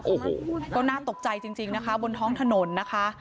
โอ้โหก็น่าตกใจจริงนะคะบนท้องถนนนะคะ